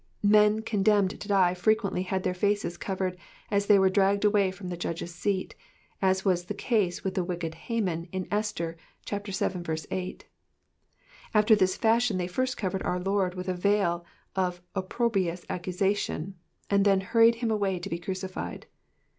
'*'* Men condemned to die frequently had their faces covered as they were dragged away from the judge's seat, as was the case with the Digitized by VjOOQIC 262 EXPOSITIONS OF THE PSALMS. wicked Haman in Esther vii. 8 : after this fashion they first covered our Lord with a veil of opprobrious accusation, and then hurried him away to be crucified.